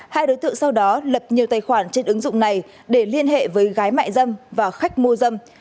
hai đối tượng sau đó lập nhiều tài khoản trên ứng dụng này để liên hệ với gái mại dâm và khách mua dâm